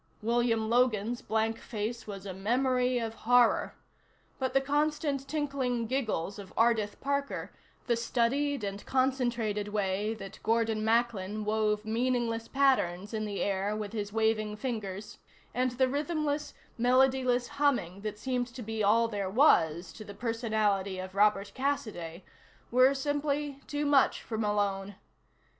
William Logan's blank face was a memory of horror, but the constant tinkling giggles of Ardith Parker, the studied and concentrated way that Gordon Macklin wove meaningless patterns in the air with his waving fingers, and the rhythmless, melodyless humming that seemed to be all there was to the personality of Robert Cassiday were simply too much for Malone.